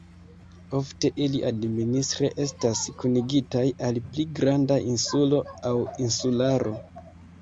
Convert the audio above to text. Ofte ili administre estas kunigitaj al pli granda insulo aŭ insularo.